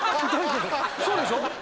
そうでしょ？